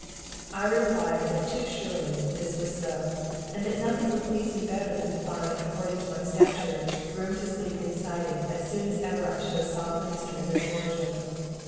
I replied that too surely this was so, and that nothing would please me better than to find, according to my stature, room to sleep inside it as soon as ever I should have solved the mystery of its origin.